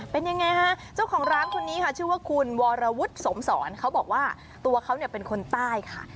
เป็นยังไงฮะเจ้าของร้านคนนี้ค่ะชื่อว่าคุณวรวุฒิสมศรเขาบอกว่าตัวเขาเนี่ยเป็นคนใต้ค่ะ